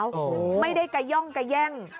โอ้โหไม่ได้กระย่องกระแย่ง